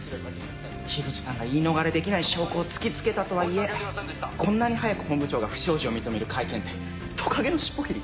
口さんが言い逃れできない証拠を突き付けたとはいえこんなに早く本部長が不祥事を認める会見ってトカゲの尻尾切り？